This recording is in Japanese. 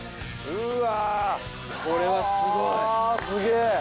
うわ。はすげえ。